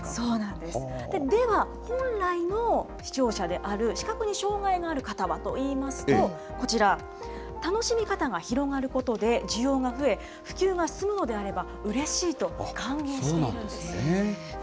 では、本来の視聴者である、視覚に障害がある方はといいますと、こちら、楽しみ方が広がることで需要が増え、普及が進むのであれば、うれしいと歓迎しているんです。